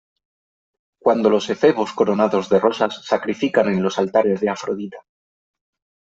cuando los efebos coronados de rosas sacrifican en los altares de Afrodita .